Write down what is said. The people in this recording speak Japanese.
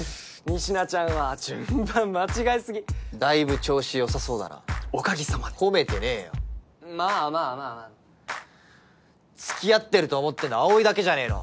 仁科ちゃんは順番間違えすぎだいぶ調子よさそうだなおかげさまで褒めてねえよまあまあまあまあつきあってると思ってんの葵だけじゃねえの？